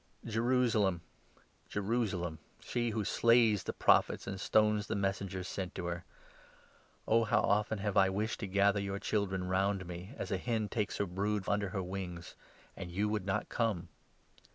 Jerusalem ! Jerusalem ! she who slays the Prophets and stones JOBUS lament* ^ie messengers sent to. her — Oh, how often have I the Fate wished to gather your children round me, as a of Jerusalem. iien takes her brood under her wings, and you would not come